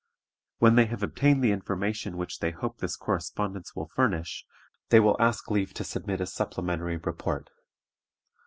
When they have obtained the information which they hope this correspondence will furnish, they will ask leave to submit a supplementary report.